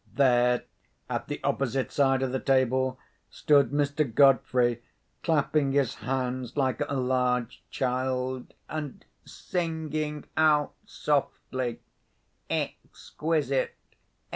There, at the opposite side of the table, stood Mr. Godfrey, clapping his hands like a large child, and singing out softly, "Exquisite!